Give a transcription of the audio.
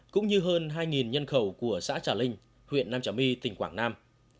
cũng như hơn hai nhân khẩu của xã trà linh huyện nam trà my tỉnh quảng nam